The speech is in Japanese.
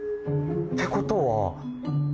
ってことは。